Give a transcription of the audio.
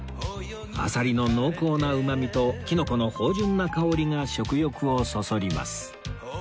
あさりの濃厚なうまみときのこの芳醇な香りが食欲をそそります